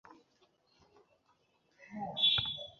মিথ্যে বলো না!